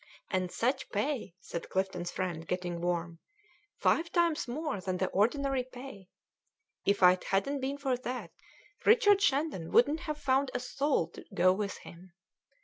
"And such pay," said Clifton's friend, getting warm "five times more than the ordinary pay. If it hadn't been for that, Richard Shandon wouldn't have found a soul to go with him.